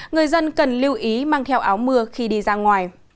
người dân cần lưu ý mang theo áo mưa khi đi ra ngoài